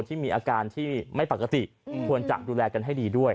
ที่มีอาการที่ไม่ปกติควรจะดูแลกันให้ดีด้วย